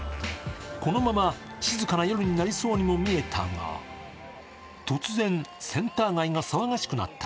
このまま静かな夜になりそうにも見えたが、突然、センター街が騒がしくなった。